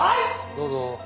どうぞ。